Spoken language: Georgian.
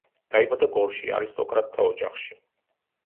დაიბადა გორში, არისტოკრატთა ოჯახში.